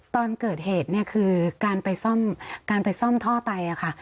ตอนเกิดเหตุคือการไปซ่อมท่อไตค่ะ